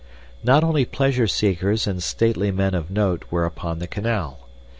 Not only pleasure seekers and stately men of note were upon the canal.